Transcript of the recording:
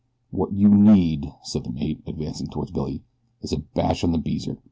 "What you need," said the mate, advancing toward Billy, "is a bash on the beezer.